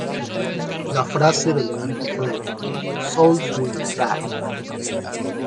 La frase del evento fue ""Souls Will Cry".